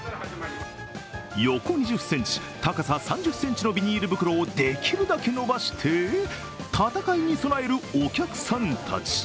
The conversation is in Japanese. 横２０ｃｍ、高さ３０ｃｍのビニール袋をできるだけ伸ばして戦いに備えるお客さんたち。